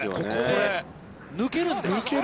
ここで抜けるんです。